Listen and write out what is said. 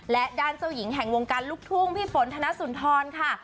และด้านเจ้าหญิงแห่งวงการลูกทุ่งพี่ฝนธนสุนทรค่ะ